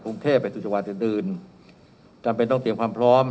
กรุงเทพไปสู่จังหวัดอื่นอื่นจำเป็นต้องเตรียมความพร้อม